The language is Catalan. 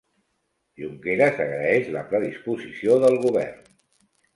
Junqueras agraeix la predisposició del govern